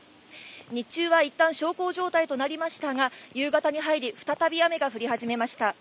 日中はいったん小康状態となりましたが、夕方に入り、再び雨が降り始めました。